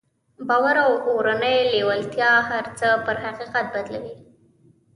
باور او اورنۍ لېوالتیا هر څه پر حقيقت بدلوي.